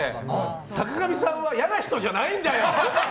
坂上さんは嫌な人じゃないんだよ！